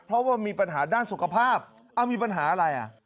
เพราะว่ามีปัญหาด้านสุขภาพมีปัญหาอะไรอ่ะ